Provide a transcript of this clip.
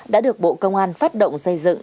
đã được bộ công an phát động xây dựng